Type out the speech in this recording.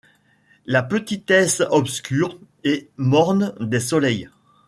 La petitesse obscure et morne des soleils, -